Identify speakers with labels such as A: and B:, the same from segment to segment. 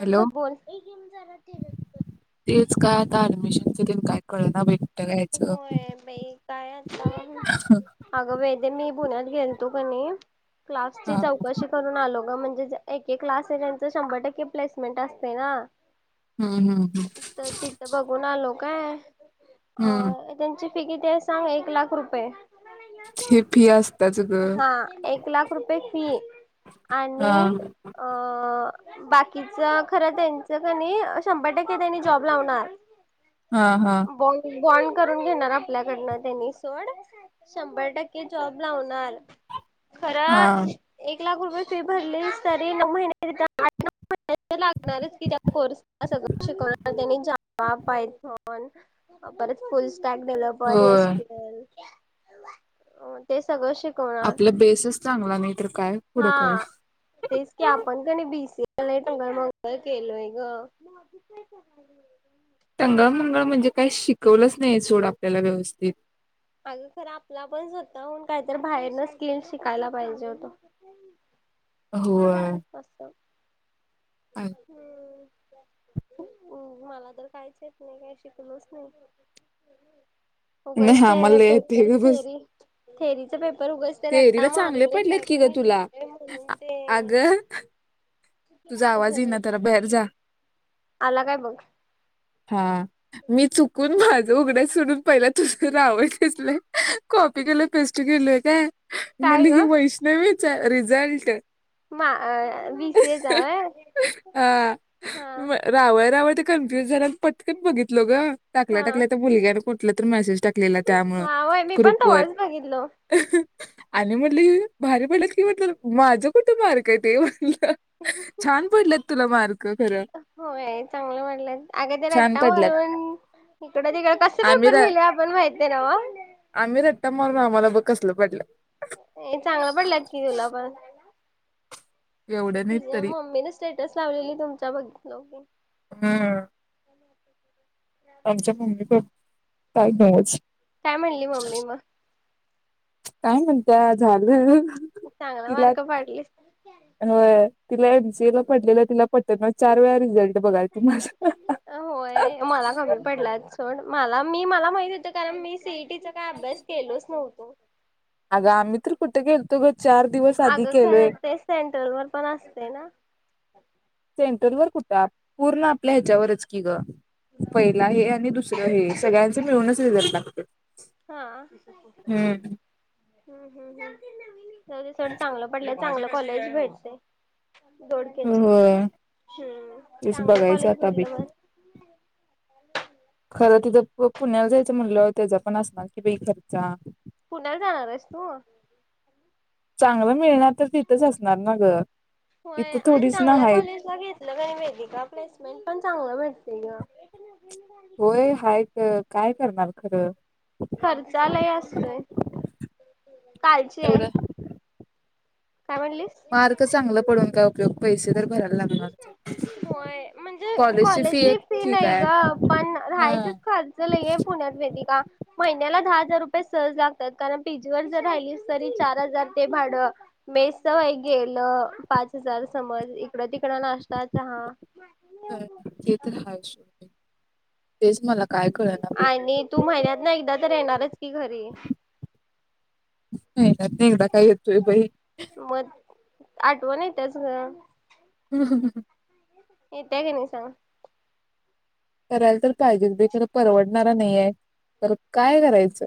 A: Hello तेच काय आता ऍडमिशन चे बी काय कळना बे
B: होय बाई काय आता [unintelligible] अगं वैद मी पुण्यात गेलतो की नाही क्लासची
A: हा
B: चौकशी करून आलो ग, म्हणजे एके क्लास त्यांच शंभर टक्के प्लेसमेंट असते ना.
A: हम्म हम्म हम्म
B: तर तिथं बघून आलो काय
A: हम्म
B: अ
A: हम्म
B: त्यांची फी किती आहे सांग, एक लाख रुपये.
A: हे फी असताच ग
B: हा एक लाख रुपये फी
A: हा
B: आणि
A: [unintelligible]
B: बाकीच खर त्यांच कणी शंभर टक्के त्यांनी जॉब लावणार.
A: हं हं
B: ब बॉन्ड करून घेणार आपल्याकडनं त्यांनी सोड शंभर टक्के जॉब लावणार
A: हा
B: खरच. एक लाख रुपये फी भरली तरी [unintelligible] लागणारच क कोर्स सगळ शिकवणार [unintelligible] परत फुल
A: होय
B: स्टॅकलंस्पिल, ते सगळं शी
A: आपला बेसच चांगला नाही तर काय पुढं कळ
B: हा तेच की आपण क [unintelligible] केलोय ग [unintelligible]
A: तंगळ मंगळ म्हणजे काही शिकवलंच नाही सोड आपल्याला व्यवस्थित.
B: अगं खरं आपला पण स्वतहून काहीत बाहेरन स्किल् शिकायला पाहिजे होत.
A: होय.
B: आता. [inaudible]
A: काय
B: हम्म. मला तर काहिच येत नाही, काही शिकवलच नाही. उगच
A: नाही
B: ते
A: आम्हाला लय येतंय
B: पेपर
A: ग बस
B: थेरी, थेरीच पेपर उगच ते
A: थेरीला
B: रट्टा
A: चांगले
B: मारलोय,
A: पडलेत
B: काय
A: की ग
B: पण
A: तुला
B: लिहिले, म्हणून ते
A: [inaudible] तुझा आवाज
B: हे
A: येई ना, त्याला बॅक जा.
B: आला काय बघ?
A: हा. मी चुकून माझं उघडं सोडून, पहिला तुझं [unintelligible] कॉपी केलं फेस्ट केलय काय,
B: काय
A: म्हणलं की
B: ग
A: वैष्णवीच रिझल्ट
B: हा अं वी
A: [inaudible] हा
B: हा
A: म रावय रावय तर कन्फ्युज झालं पटकन बघितलो गं. टाकल्या,
B: हा
A: टाकल्या त्या मुलग्याने कुठल्या तर मेसेज टाकला केला त्यामुळं.
B: हा होय मी पण
A: ग्रुप वर
B: तवाच बघितलो.
A: हं हं. आणि म्हटलं भारी पडलं कि म्हटलं, माझं कुठं मार्क येत ते म्हटलं. छान पडलेत तुला मार्क. खरं
B: होय चांगलं वाटलंय, अगं ते
A: छान
B: रट्टा
A: पडल्यात
B: मारून इकडे तिकडे कसे
A: आम्ही
B: पेपर
A: रा-
B: लिहले, आपण माहितेये ना व.
A: आम्ही रट्टा मारून, आम्हाला बघ कसलं पडलंय.
B: ये चांगलं पडलेत की इला पण
A: एवढं नाही
B: तुझ्या
A: तरी
B: मम्मीने स्टेटस लावलेली, तुमच्या बघितलो मी. [inaudible]
A: हम्म आमच्या मम्मी पप्पा चं काय बोलायचं?
B: काय म्हणली मम्मी
A: [inaudible]
B: मग
A: काय म्हणत्या? झालं [unintelligible]
B: तु चांगले
A: तिला
B: मार्क पाडलेस ना.
A: होय. तिला एम सी ए ला पडलेलं तिला पट ना, चार वेळा रिझल्ट बघाल ती माझा.
B: होय. मला कमी पडलाय सोड. मला मी मला माहित होतं, कारण मी सीईटीचा काय अभ्यास केलोच नव्हतो.
A: अग आम्ही तर कुठे केलतो ग? चार दिवस आधी केलोय.
B: सेंटर वर पण असतंय ना.
A: सेंटर वर कुठं? पूर्ण आपल्या ह्याच्यावरच की गं. पहिला हे, आणि दुसरा हे, सगळ्यांचं मिळूनच रिझल्ट लागतोय.
B: हा. हम्म हम्म् हम्म. तरी सण चांगला पडलाय चांगलं कॉलेज भेटतंय. दोडक्याची.
A: होय
B: हम्म,
A: तेच
B: चांगलं
A: बघायचं
B: कॉलेज
A: आता बी
B: भेटलं बस
A: [inaudible] खरं तिथं पु पुण्याला जायचं म्हणल्यावर, त्याचा पण असणार कि, बा खर्चा
B: पुण्याला जाणार आहेस तू?
A: चांगलं मिळणार तर तिथंच असणार ना गं.
B: होय. आणि चांगल्या कॉलेजला घेत तुला काही माहिती का? प्लेसमेंट पण चांगलं भेटतंय गं.
A: होय. हाय क काय करणार खरं?
B: खर्चा लय असतोय. [inaudible] कालचे
A: एवढं मार्क चांगलं पडून काय उपयोग, पैसे तर भरायला लागणार.
B: होय. म्हणजे
A: एक
B: कॉलेजची फी
A: ठीक
B: नाही
A: आहे
B: गं, पण
A: हा
B: राहायचच खर्च चल ये पुण्यात वेदिका महिन्याला दहा हजार रुपये सहज लागतात कारण पीजी वर जर राहिली स तरी चार हजार ते भाडं मेस तर वई गेलं पाच हजार समज इकडं तिकडं नाश्ता चहा ‌.
A: हे तर आहेच तेच मला काय कळना बाई
B: आणि तू महिन्यात ना एकदा तर येणारच आहेस की घरी
A: महिन्यात न एकदा काय येतो बाई?
B: मग आठवण येतीयाच गं.
A: हम ह.
B: येती या कनी सांग.
A: करायला तर पाहिजे ब खरं परवडणारा नाहीय तर काय करायचं?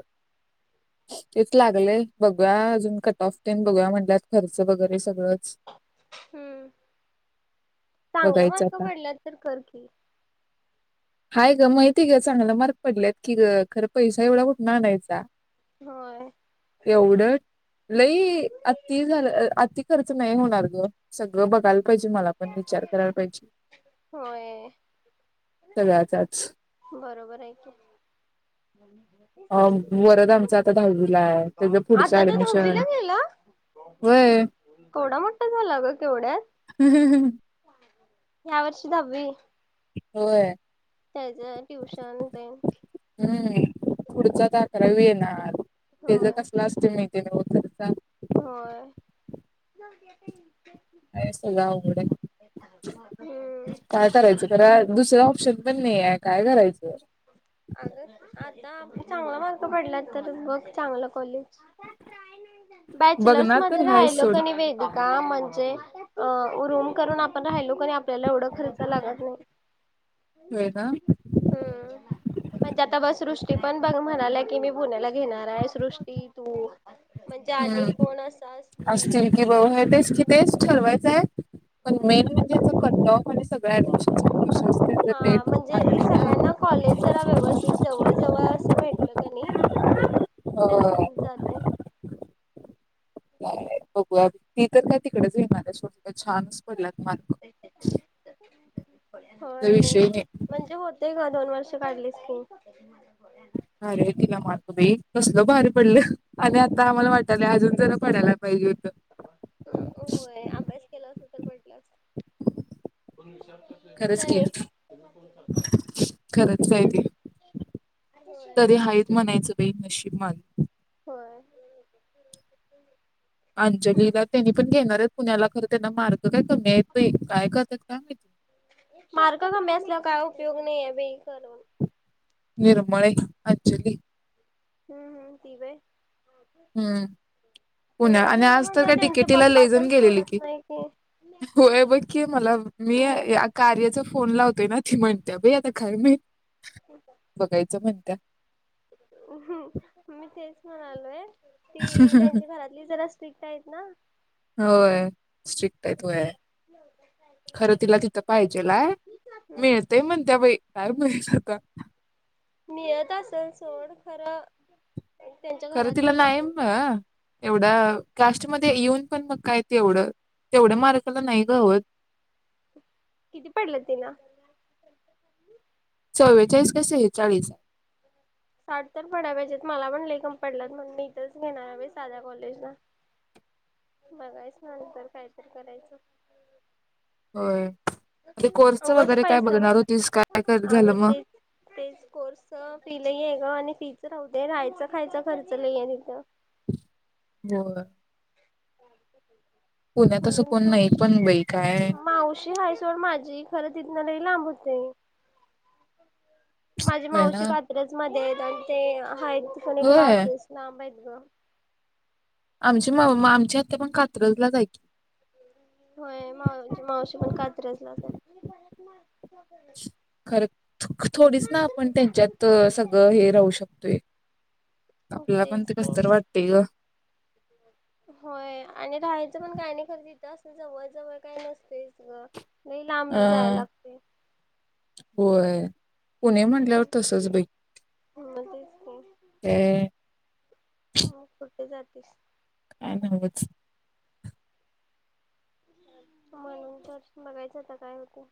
A: [inaudible] तेच लागलेय बघूया. अजून कट ऑफ देन बघूया म्हणतात खर्च वगैरे सगळंच.
B: हम्म चांगला
A: बघायचं
B: मार्क
A: आता
B: पडल्यात तर कर की.
A: हाय ग माहिती आहे, ग चांगला मार्क पडल्यात की ग खरं पैसा एवढा कुठून आणायचा?
B: होय.
A: एवढं लई आत्ती झालं आती खर्च नाही होणार ग सगळं बघाल पाहिजे मला पण विचार करायला पाहिजे.
B: होय.
A: सगळ्याचाच
B: बरोबर आहे की.
A: अं, वरद आमचा आता दहावीला आहे त्याचं पुढचं
B: आता तो
A: ऍडमिशन
B: धावीला गेला? केवढा
A: वय
B: थोडा मोठा गं झाला ग केवढ्यात?
A: हम् हम हम्.
B: या वर्षी दहावी.
A: व्हय.
B: त्याच ट्युशन तेन
A: हम्म पुढचा आकाररावी येणार त्याचा
B: होय
A: कसला असतंय माहिती नव्ह?
B: व्हय ‌.
A: काय सगळ अवघड हाय?
B: हम्म
A: काय करायचं खरा, दुसरं ऑप्शन पण नाही आहे काय करायचं?
B: अग आता चांगला मार्क पडल्यात तर बघ चांगलं कॉलेज.
A: [inaudible]
B: बॅचलर्स
A: बघणार तर
B: मध्ये
A: हाय
B: राहिल
A: सोड
B: कणी वेग का म्हणजे अ -रूम करून आपण राहिलो कनी, आपल्याला एवढा खर्च लागत नाही.
A: व्हय ना.
B: हम्म. म्हणजे आता बग सृष्टी पण बघ म्हणालाय की मी, पुण्याला घेणार आहे सृष्टी तू म्हणजे आणि
A: हम्म
B: कोण असं असलं
A: असतील
B: तर
A: की बघ हे तेच की तेच ठरवायचं आहे. पण मेन म्हणजे कट ऑफआणि सगळ ऍडमिशन
B: हा म्हणजे सगळ्यांना कॉलेज जरा व्यवस्थित जवळ जवळ असं भेटलं कनी तर
A: अ
B: होऊन जातंय.
A: काय बघूया ती तर काय तिकडेच घेणारं आहे. [unintelligible] छान पडलात मार्क काय विषय नाही.
B: ते का दोन वर्ष काढली तु? [inaudible]
A: अरे तिलां मतम कसलं भारी पडलं आणि आंता आम्हांला वाटालं अजूंन जरां पडांयला पाहिजे होतं
B: होयं अभ्यास केलां असे तरं म्हटलंच
A: हं
B: कां नाहीं
A: खरंच आहे ते तरी हांच म्हणायचं बाई नशीब मांन
B: होयं
A: अंजलीला त्यांनी पणं घेणारं आहेतं पुण्यांला खरं त्यांना मार्ग कायं कमी आहेतं कायं करतांत कायं माहिती
B: मार्ग कमी असल्यामुळे कायं उपयोग नाहीं आहे बाई करं
A: निर्मळे अंजली
B: हम्मं हम्मं ती वयं
A: हम्मं पुण्यां
B: पुण्याला
A: आणि
B: गेल्यावर
A: आंज तरं
B: म्हणजे
A: कायं
B: त्यांचे
A: तिकेटीला
B: पप्पा तर
A: लैजन गेलेली
B: सोडत
A: की
B: नाही
A: होयं बघं की मलां मी कार्याचा फोन लावतोय नां ती म्हणते बाई आंता खरं मी
B: ठीकं आहे
A: बघायचं म्हणत्यांत
B: हम्मं मी तेचं म्हणालो आंलोय ती त्यांची घरांतली जरां स्ट्रिक्ट आहेतं नां
A: होयं स्ट्रिक्ट आहे थोडे खरं तिलां तिथं पाहिजेलाय मिळतंय म्हणं त्यां बाई काय मिळतं कां
B: निळतं असेल सोंड खरं त्यांच्या
A: करं
B: घरातली
A: तिला नाहीं
B: सोडावी
A: मंला एवढ्यां कास्टमध्ये येऊंन पणं मंग कायं ते एवढं तेवढ्यां मार्काला नाहीं गावंत
B: किती पडलं तिलां
A: चव्वेचाळीस कीसेेचाळीस आहे
B: साठ तरं पडां पाहिजेत मलां पणं लेखम पडलांत म्हंण मी इथंच घेणारवे सांध्या कॉलेजलां बघायचं नांतर कायंतरी करायचं
A: होयं कोर्स
B: उगच
A: वगैरें कायं
B: पैसा
A: बघणारं होतीस कायं करं झालं मंग
B: तेचं कोर्स फी लही आहे गं आणि फीच राहते राहायचं खायचां खर्च लंय आहे तिथं
A: तेवढांचं पुण्यात असं
B: म्हणूंन
A: कोण नाही पण बाई काय
B: सांग मावशी हायं तरं माझी खरं तरं तीथनं लंय लांब होते माझी
A: होय
B: मावशी
A: ना
B: कांत चं मध्यें आहेतं आणि ते हं आहेतं कोणी
A: होय
B: क्लासेस लांब आहेतं गं
A: आमची आमच्यां हत्यां पणं कात्रजलां जांय की
B: होयं माव मावशी पणं कात्रसलांच
A: खरं थोडीचं नां आपणं त्यांच्यांत सगळं हे राहूं शकतोय आपल्यांला पणं
B: तेच
A: ते
B: की.
A: कसतरी वाटतेय गं
B: होयं आणि राहायचं पणं कांहीं नाहीं खरदीथं असते जवळं जवळं कायं नसते गं लंय लांब जांय लागते
A: होयं पुणे म्हटल्यांवर तसंच बाई
B: मग तेच की
A: ते
B: हो कुंठे जातेस
A: कांय नंगच
B: म्हणूंन तरं बघायचं आंता कायं होते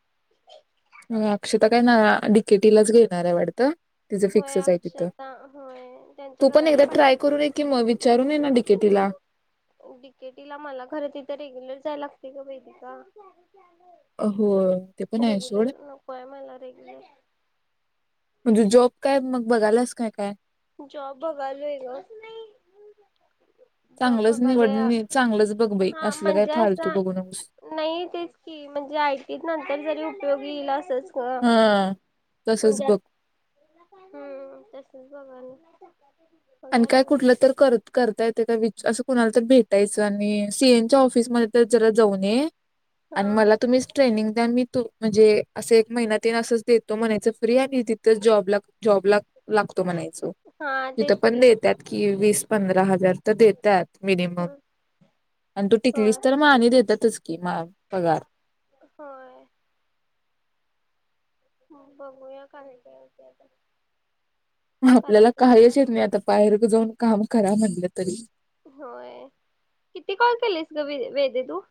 A: अक्षतां कायं नां डिकेटीलांच घेणारं आहे वाटतं तुझं
B: होय
A: फिक्सच आहे तिथं,
B: अक्षता होय त्यांच्या
A: तू पण
B: घरातले
A: एकदा
B: पाठव
A: ट्राय करून ये की मग विचारून ये ना किती लांब
B: डिकीटीला मला खरेदीला रेग्युलर जाय लागते का माहिती आहे का
A: हो ते पण आहे सोड
B: रेग्युलर नकोय मला रेग्युलर
A: म्हणजे जॉब काय मग बघायलास काय काय
B: जॉब बघायलो ग जॉब
A: चांगलच निवड
B: बघालोय
A: चांगलच बघ बाई
B: हा
A: असल काय
B: म्हणजे
A: फालतू
B: असा
A: बघू नकोस
B: नाही तेच की म्हणजे आयटीत नंतर जरी उपयोग येईला असच ग
A: हा तसंच
B: म्हणजे
A: बघ
B: हम्म तसच बघा ना
A: आणि काय कुठलं तर करत करता येते का विच असं कुणाला तर भेटायचं आणि, सीएन च्या ऑफिसमध्येध्ये तर जरा जाऊन ये
B: हा
A: आणि मला तुम्हीच ट्रेनिंग द्या मी त म्हणजे असं एक महिना्या तन असंच देतो म्हणायच फ्री आणि तिथं जॉबला जॉब ला लागतो म्हणायच
B: हा तेच
A: पण
B: की
A: देतात की वीस पंधरा हजार तर देतात मिनिमम आणि तू
B: होय
A: टिकलीस तर, मानी देतातच की मा पगार
B: होय हो बघूया काही कावरती आता
A: आपल्याला
B: करायचं तर
A: काहीच येत नाही, आता बाहेर जाऊन काम करा म्हटलं तरी
B: होय, किती कॉल केलीस ग व वेद तू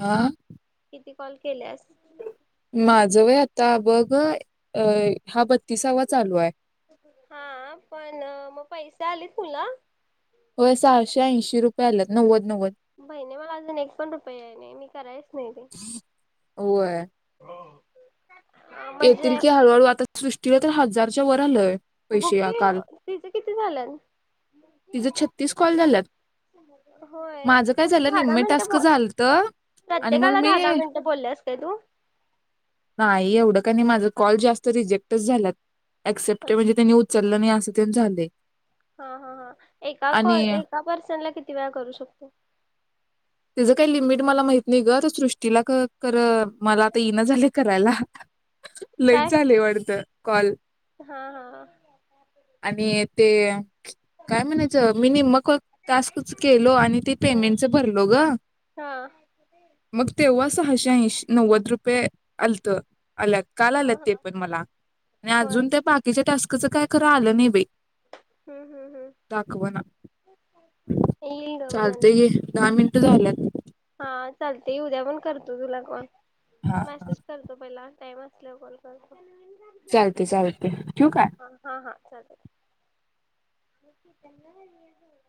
A: हा
B: किती कॉल केल्यास
A: माझं वय आता बघ अ हा बत्तीसावा चालू आहे
B: हा पण मग पैसे आलेत तुला
A: हो, सहाशे ऐंशी रुपये आल्यात नव्वद नव्वद
B: बही नाही मला अजून एक पण रुपये आहे नाही मी करायच नाही ते
A: होय
B: हो
A: येतील की हळूहळू आता सृष्टीला तर हजारच्या वर आलंय
B: बघ
A: पैसे या
B: की,
A: काल
B: तिचं किती झालं
A: तिझं छत्तीस कॉल झालात,
B: होय
A: माझं काय
B: असं
A: झालं
B: दहा दहा
A: निम्म
B: मिनिटं
A: टास्क
B: बोल
A: झालत
B: प्रत्येकाला दहा दहा मिनिटं बोललेस काय तू
A: नाही एवढं का नाही, माझ कॉल जास्त रिजेक्टच झाला अक्सेप्ट म्हणजेनी त्यांनी चाललं नाही असं ते झालय
B: हा हा हा एका कॉल एका पर्सन ला किती वेळा करू शकतो
A: त्याचं काही लिमिट मला माहत नाही ग सृष्टीला कर मला आता येणं ना झालेय करायला
B: काय?
A: लईच झाले वाटत कॉल
B: हा हा
A: आणि ते काय म्हणायचं मी मग टास्कच केलो आणि ते
B: हा
A: पेमेंटच भरल लोग
B: हा
A: मग तेव्हा सहाशे ऐंशी नव्वद रुपये आलत आल्याग काल
B: हा
A: आलंत ते
B: हा
A: पण मला आणि
B: होय
A: अजून त्या बाकीच्या टास्कच काय खरं आलं नाही बाई
B: हम्म हम्म हम्म
A: दाखवाना,
B: येईल ग मग
A: चालत
B: नंतर
A: ये. दहा मिनटं झाल्यात.
B: हा चालते, उद्या पण करतो तुला कॉल,
A: हा हा
B: मॅसेज करतो पहिला टाइम असल्यावर कॉल कर
A: चालते-चालते, ठेऊ का?
B: हं हं चालेल. [inaudible]